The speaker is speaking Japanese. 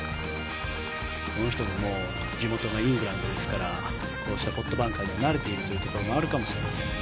この人も地元がイングランドですからこうしたポットバンカーに慣れているところもあるかもしれません。